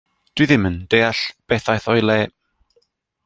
Dw i ddim yn deall beth aeth o'i le.